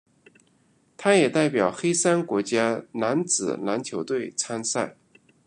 他也代表黑山国家男子篮球队参赛。